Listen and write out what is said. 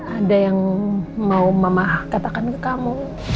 ada yang mau mama katakan ke kamu